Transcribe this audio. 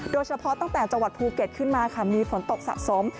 โดยเฉพาะตั้งแต่จังหวัดภูเก็ตขึ้นมาค่ะมีฝนตกสะสม